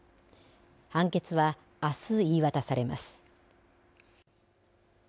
判決は、あす言い渡されます。